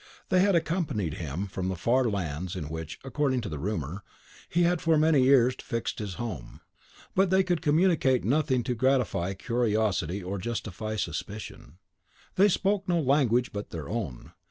They had accompanied him from the far lands in which, according to rumour, he had for many years fixed his home. But they could communicate nothing to gratify curiosity or justify suspicion. They spoke no language but their own.